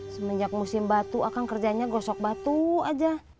semenjak musim batu akan kerjanya gosok batu aja